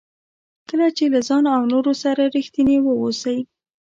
کله چې له ځان او نورو سره ریښتیني واوسئ.